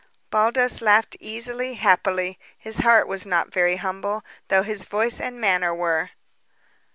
Baldos laughed easily, happily. His heart was not very humble, though his voice and manner were.